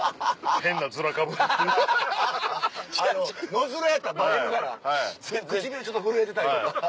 野面やったらバレるから唇ちょっと震えてたりとか。